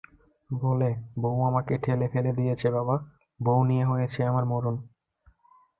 বলে, বৌ আমাকে ঠেলে ফেলে দিয়েছে বাবা, বৌ নিয়ে হয়েছে আমার মরণ।